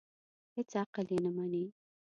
هېڅ عقل یې نه مني.